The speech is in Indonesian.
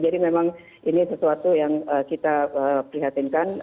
jadi memang ini sesuatu yang kita prihatinkan